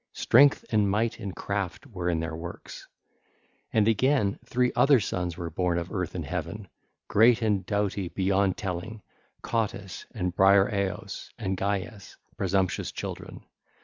Strength and might and craft were in their works. (ll. 147 163) And again, three other sons were born of Earth and Heaven, great and doughty beyond telling, Cottus and Briareos and Gyes, presumptuous children.